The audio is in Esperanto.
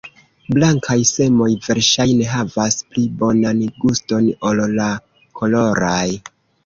Blankaj semoj verŝajne havas pli bonan guston ol la koloraj.